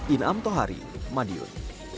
in'am thohari madiun